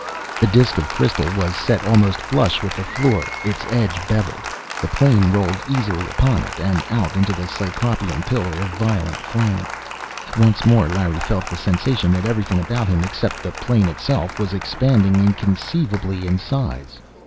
The disk of crystal was set almost flush with the floor, its edge beveled. The plane rolled easily upon it, and out into the Cyclopean pillar of violet flame. Once more, Larry felt the sensation that everything about him except the plane itself, was expanding inconceivably in size.